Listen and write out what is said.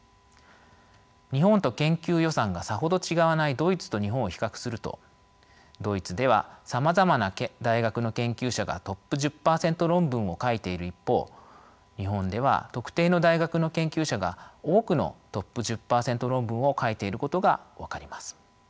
日本と研究予算がさほど違わないドイツと日本を比較するとドイツではさまざまな大学の研究者がトップ１０％論文を書いている一方日本では特定の大学の研究者が多くのトップ１０％論文を書いていることが分かります。